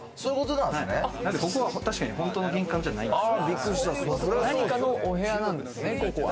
ここは確かに、本当の玄関じゃないんです。